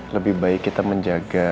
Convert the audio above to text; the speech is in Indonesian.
lebih baik kita menjaga